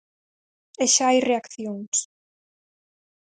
E xa hai reaccións.